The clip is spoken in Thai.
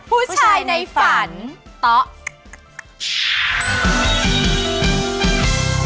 ผู้ชายในฝันต๊อบ